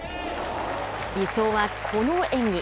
理想はこの演技。